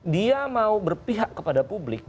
dia mau berpihak kepada publik